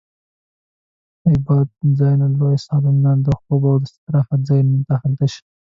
عبادتځایونه، لوی سالونونه، د خوب او استراحت ځایونه هلته شته.